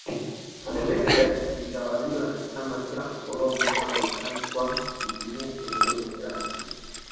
Liberia ilitawaliwa na Chama cha Ukoloni cha Marekani kwa kumtumia kiongozi rasmi